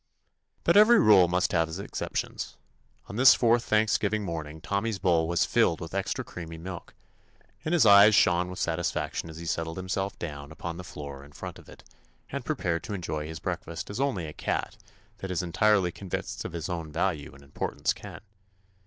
But every rule must have its excep tion. On this fourth Thanksgiving morning Tommy's bowl was filled with extra creamy milk, and his eyes shone with satisfaction as he settled himself down upon the floor in front of it and prepared to en joy his breakfast as only a cat that is entirely convinced of his own value and importance can.